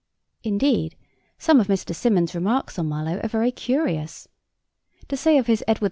Indeed, some of Mr. Symonds' remarks on Marlowe are very curious. To say of his Edward II.